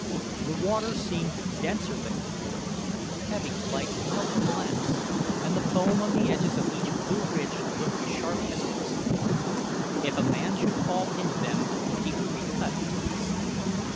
The water seemed denser than before, heavy like melted glass, and the foam on the edges of each blue ridge looked sharp as crystals. If a man should fall into them, he would be cut to pieces.